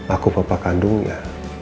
aku papa kandungnya